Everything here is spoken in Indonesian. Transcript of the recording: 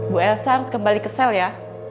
bu elsa harus kembali ke sel ya